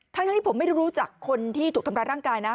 ทั้งที่ผมไม่ได้รู้จักคนที่ถูกทำร้ายร่างกายนะ